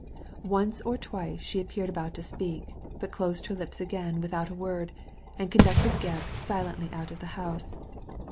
Once or twice she appeared about to speak, but closed her lips again without a word, and conducted Gebb silently out of the house.